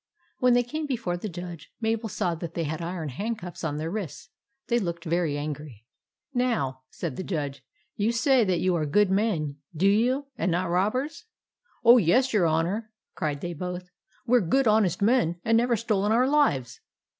When they came before the Judge, Mabel saw that they had iron hand cuffs on their wrists. They looked very angry. " Now," said the Judge, " you say that you are good men, do you, and not robbers ?"" Oh, yes, your Honour !" cried they both. " We Ye good honest men, and never stole in our lives